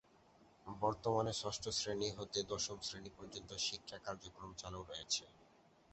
বর্তমানে ষষ্ঠ শ্রেণী হতে দশম শ্রেণী পর্যন্ত শিক্ষা কার্যক্রম চালু রয়েছে।